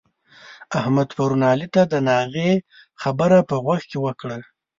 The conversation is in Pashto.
احمد پرون علي ته د ناغې خبره په غوږ کې ورکړه.